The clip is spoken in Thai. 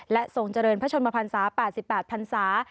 และส่งเจริญพระชนมพันศา๘๘พันศา